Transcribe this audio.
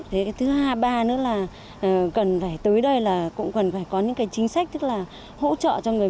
thứ hai thứ ba nữa là cần phải tới đây là cũng cần phải có những chính sách tức là hỗ trợ cho người dân chúng tôi